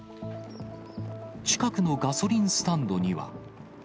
近くのガソリンスタンドには。